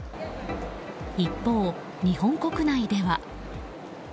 一方、日本国内では。